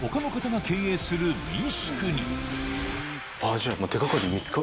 じゃあ。